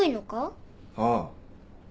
ああ。